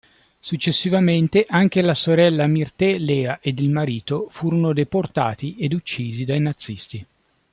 Successivamente anche la sorella Mirthé-Léa ed il marito furono deportati ed uccisi dai nazisti.